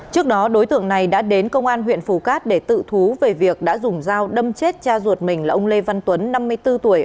trước đó đối tượng này đã đến công an huyện phù cát để tự thú về việc đã dùng dao đâm chết cha ruột mình là ông lê văn tuấn năm mươi bốn tuổi